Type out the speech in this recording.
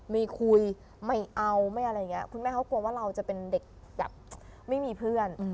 ไม่คุยไม่เอาคุณแม่เค้ากลัวว่าเราจะเป็นเด็กไม่มีเพื่อน